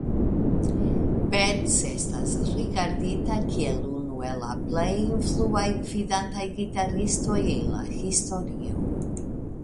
Beck estas rigardita kiel unu el plej influaj gvidantaj gitaristoj en la historio.